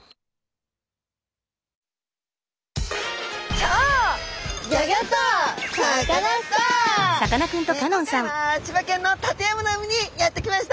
今回は千葉県の館山の海にやって来ました！